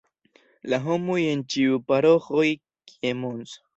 La homoj en ĉiuj paroĥoj, kie Mons.